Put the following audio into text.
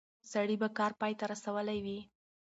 سړی به کار پای ته رسولی وي.